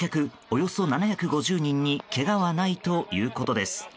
およそ７５０人にけがはないということです。